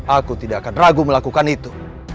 aku tidak akan ragu melakukan itu